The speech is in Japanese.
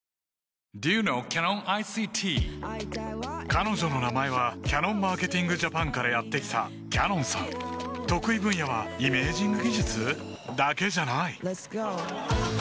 彼女の名前はキヤノンマーケティングジャパンからやって来たＣａｎｏｎさん得意分野はイメージング技術？だけじゃないパチンッ！